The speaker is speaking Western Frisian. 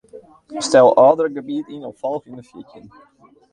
Stel ôfdrukgebiet yn op folgjende fjirtjin.